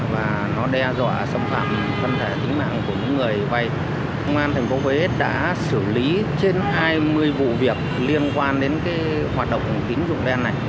và nó đe dọa xâm phạm phân thể tính mạng của những người vay công an thành phố huế đã xử lý trên hai mươi vụ việc liên quan đến hoạt động tín dụng đen này